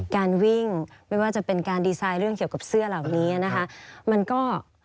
การวิ่งไม่ว่าจะเป็นการดีไซน์เรื่องเกี่ยวกับเสื้อเหล่านี้นะคะมันก็